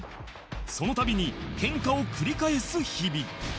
その度にケンカを繰り返す日々